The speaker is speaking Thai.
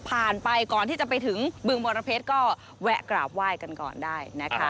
ไปก่อนที่จะไปถึงบึงมรเพชรก็แวะกราบไหว้กันก่อนได้นะคะ